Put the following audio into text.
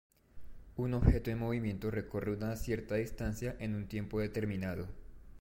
Un objeto en movimiento recorre una cierta distancia en un tiempo determinado.